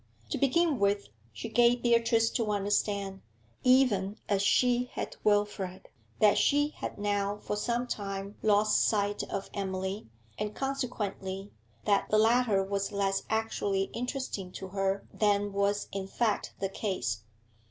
To begin with, she gave Beatrice to understand, even as she had Wilfrid, that she had now for some time lost sight of Emily, and, consequently, that the latter was less actually interesting to her than was in fact the case.